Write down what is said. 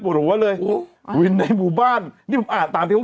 ปลูกหัวเลยอ๋อวินในหมู่บ้านนี่ผมอ่านตามที่เขา